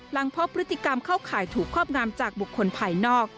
พบพฤติกรรมเข้าข่ายถูกครอบงามจากบุคคลภายนอก